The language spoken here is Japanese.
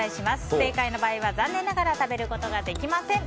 不正解の場合は残念ながら食べることはできません。